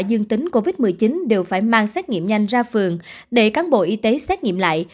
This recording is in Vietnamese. dương tính covid một mươi chín đều phải mang xét nghiệm nhanh ra phường để cán bộ y tế xét nghiệm lại